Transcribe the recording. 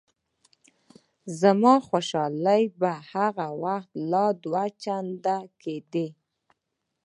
زما خوشحالي به هغه وخت لا دوه چنده کېده.